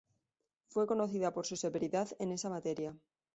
Fue conocida por su severidad en esa materia.